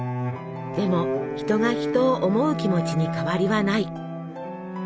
でも「人が人を思う気持ち」に変わりはない。